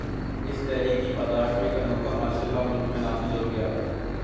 اس تحریک کی پاداش میں ایک انوکھا مارشل لاء ملک میں نافذ ہو گیا۔